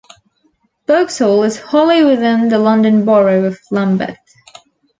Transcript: Vauxhall is wholly within the London Borough of Lambeth.